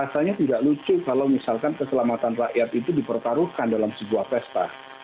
rasanya tidak lucu kalau misalkan keselamatan rakyat itu dipertaruhkan dalam sebuah pesta